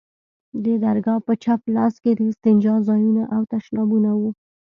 د درگاه په چپ لاس کښې د استنجا ځايونه او تشنابونه وو.